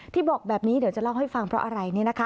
ที่บอกแบบนี้เดี๋ยวจะเล่าให้ฟังเพราะอะไรนี่นะคะ